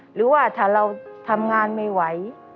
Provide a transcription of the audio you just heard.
หรือว่าถ้าเราทำงานไม่ไหว